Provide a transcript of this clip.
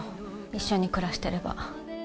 一緒に暮らしてれば。